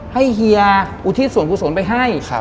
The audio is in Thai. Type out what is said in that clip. ให้เฮียอุทิศสวนผู้สวนไปให้